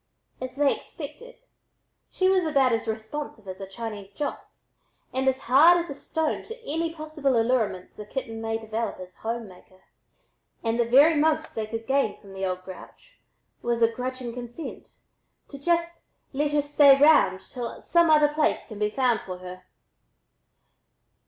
As they expected, she was about as responsive as a Chinese Joss and as hard as a stone to any possible allurements the kitten might develop as a home maker, and the very most they could gain from the "old grouch" was a grudging consent to just "let her stay round till some other place can be found for her."